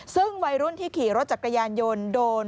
ซึ่งวัยรุ่นที่ขี่รถจักรยานยนต์โดน